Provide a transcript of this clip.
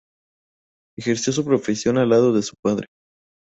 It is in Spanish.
Ejerció su profesión al lado de su padre.